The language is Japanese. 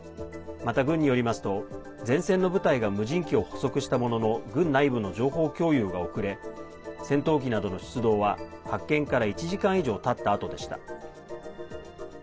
また軍によりますと前線の部隊が無人機を捕捉したものの軍内部の情報共有が遅れ戦闘機などの出動は発見から１時間以上たったあとでした。